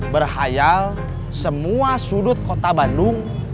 berhayal semua sudut kota bandung